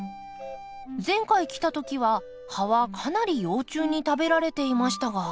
前回来た時は葉はかなり幼虫に食べられていましたが。